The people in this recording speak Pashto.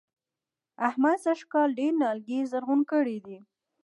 احمد سږ کال ډېر نيالګي زرغون کړي دي.